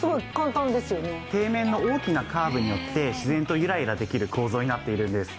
底面の大きなカーブによって自然とゆらゆらできる構造になっているんです。